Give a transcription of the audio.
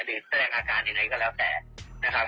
หรือว่าเอาไปใช้เนื่องส่วนตัวนะครับ